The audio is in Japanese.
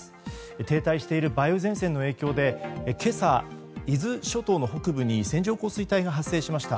停滞している梅雨前線の影響で今朝、伊豆諸島の北部に線状降水帯が発生しました。